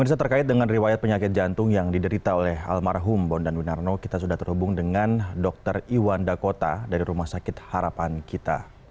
pemirsa terkait dengan riwayat penyakit jantung yang diderita oleh almarhum bondan winarno kita sudah terhubung dengan dr iwan dakota dari rumah sakit harapan kita